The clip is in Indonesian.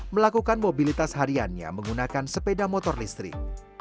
melakukan mobilitas hariannya menggunakan sepeda motor listrik